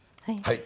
はい。